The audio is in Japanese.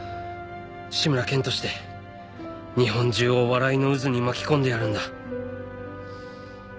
志村けんとして日本中を笑いの渦に巻き込んでやるんだ